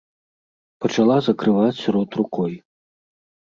Пачала закрываць рот рукой.